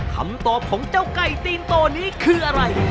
คำตอบของเจ้าไก่ตีนโตนี้คืออะไร